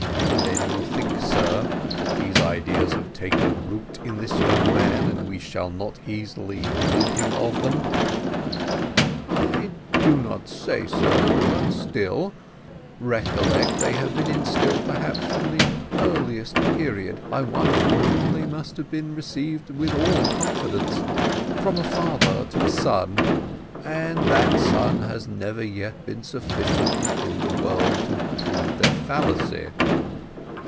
"Then you think, sir, that these ideas have taken deep root in this young man, and we shall not easily rid him of them." "I do not say so; but still, recollect they have been instilled, perhaps, from the earliest period, by one from whom they must have been received with all confidence from a father to a son; and that son has never yet been sufficiently in the world to have proved their fallacy."